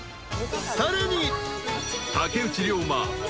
［さらに］